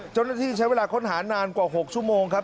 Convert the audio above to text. เจ้าหน้าที่ใช้เวลาค้นหานานกว่า๖ชั่วโมงครับ